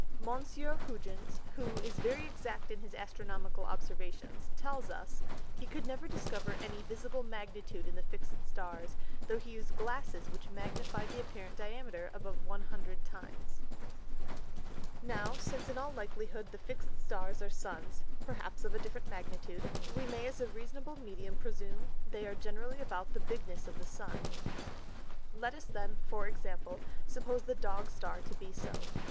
Monsieur Hugens (who is very exact in his Astronomical Observations) tells us, he could never discover any visible Magnitude in the fix'd Stars, though he used Glasses which magnified the apparent Diameter above 100 times. Now, since in all likelyhood the fix'd Stars are Suns, (perhaps of a different Magnitude) we may as a reasonable Medium presume they are generally about the bigness of the Sun. Let us then (for Example) suppose the Dog Star to be so.